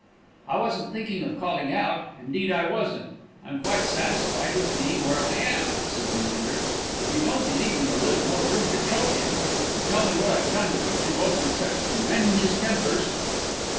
"I wasn't thinking of calling out, indeed I wasn't. I'm quite satisfied with being where I am," said Leander, "if you'd only leave me a little more room to choke in, and tell me what I've done to put you both in such tremenjous tempers."